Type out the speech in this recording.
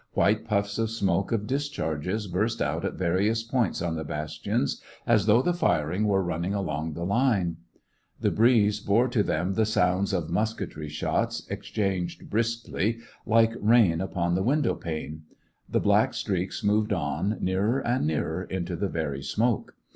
White puffs of smoke of discharges burst out at various points on the bastions, as though the firing were running along the line. The breeze bore to them the sounds of mus ketry shots, exchanged briskly, like rain upon the window pane. The black streaks moved on, nearer and nearer, into the very smoke.